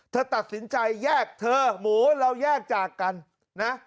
เธอตัดสินใจแยกเธอหมูเราแยกจากกันนะ